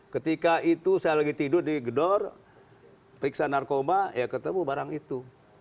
ketika itu saya lagi tidur di gedor periksa narkoba ya ketemu barang itu